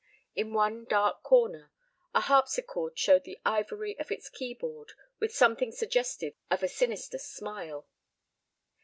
In one dark corner a harpsichord showed the ivory of its key board with something suggestive of a sinister smile.